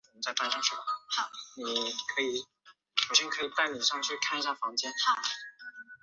再娶阿剌罕公主。